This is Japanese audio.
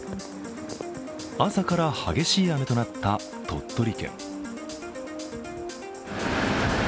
朝から激しい雨となった鳥取県。